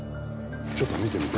ちょっと見てみて。